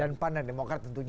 dan pan dan demokrat tentunya